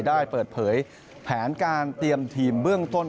ได้เปิดเผยแผนการเตรียมทีมเบื้องต้น